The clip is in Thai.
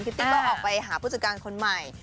ติ๊กก็ออกไปหาผู้จัดการคนใหม่